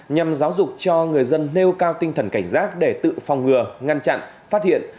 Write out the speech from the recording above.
nhằm giáo dục cho người dân nêu cao tinh thần cảnh giác để tự phòng ngừa ngăn chặn phát hiện